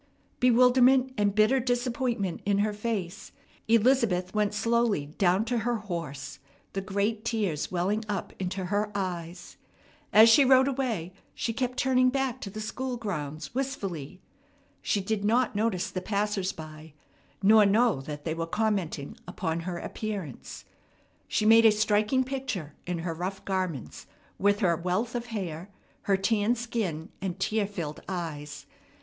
Bewilderment and bitter disappointment in her face, Elizabeth went slowly down to her horse, the great tears welling up into her eyes. As she rode away, she kept turning back to the school grounds wistfully. She did not notice the passers by, nor know that they were commenting upon her appearance. She made a striking picture in her rough garments, with her wealth of hair, her tanned skin, and tear filled eyes.